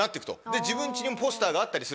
自分家にもポスターがあったりする。